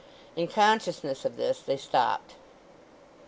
In consciousness of this they stopped.